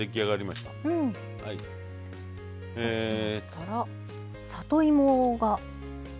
そしたら里芋が。